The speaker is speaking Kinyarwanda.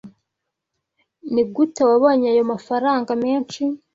Nigute wabonye ayo mafaranga menshi?